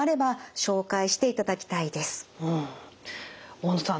大野さん